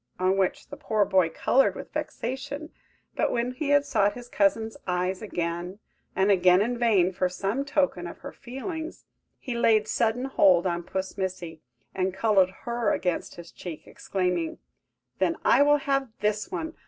On which the poor boy coloured with vexation; but when he had sought his cousin's eyes again and again in vain for some token of her feelings, he laid sudden hold on Puss Missy, and cuddled her against his cheek, exclaiming– "Then I will have this one!